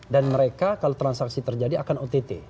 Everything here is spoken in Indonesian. dan mereka kalau transaksi terjadi akan ott